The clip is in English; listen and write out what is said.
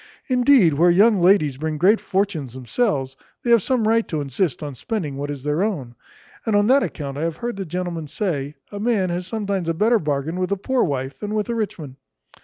Indeed, where young ladies bring great fortunes themselves, they have some right to insist on spending what is their own; and on that account I have heard the gentlemen say, a man has sometimes a better bargain with a poor wife, than with a rich one.